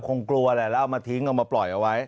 คงกลัวแหละแล้วเอามาทิ้งเอามาปล่อยเอาไว้